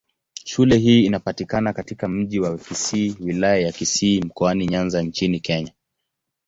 Shule hii inapatikana katika Mji wa Kisii, Wilaya ya Kisii, Mkoani Nyanza nchini Kenya.